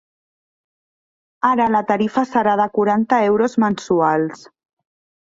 Ara la tarifa serà de quaranta euros mensuals.